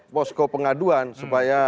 posko pengaduan supaya